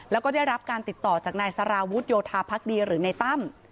แล้วก็ได้รับการติดต่อจากนายสารวุฒิโยธาพักดีหรือในตั้ม